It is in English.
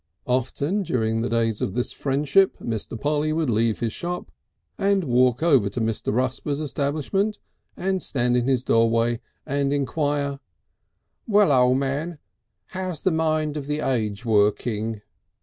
Often during the days of this friendship Mr. Polly would leave his shop and walk over to Mr. Rusper's establishment, and stand in his doorway and enquire: "Well, O' Man, how's the Mind of the Age working?"